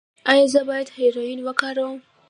ایا زه باید هیرویین وکاروم؟